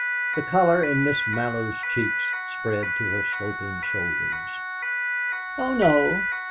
The colour in Miss Mallow's cheeks spread to her sloping shoulders. "Oh no.